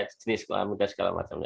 jenis kelamin dan segala macam